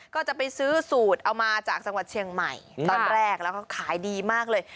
ก็จะไปซื้อสูตรเอามาจากจังหวัดเชียงใหม่ตอนแรกแล้วก็ขายดีมากเลย